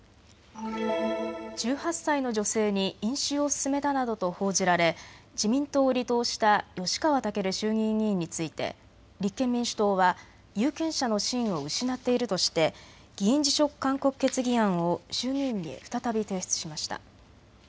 １８歳の女性に飲酒を勧めたなどと報じられ自民党を離党した吉川赳衆議院議員について立憲民主党は有権者の信を失っているとして議員辞職勧告決議案を衆議院に再び提出しました。